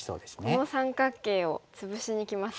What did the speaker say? この三角形を潰しにきます。